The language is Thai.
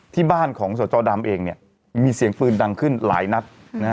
ที่บ้านของสจดำเองมีเสียงปืนดังขึ้นหลายนัด